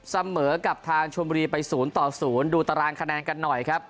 เสมอกับทางชมบุรีไป๐ต่อ๐ดูตารางคะแนนกันหน่อยครับ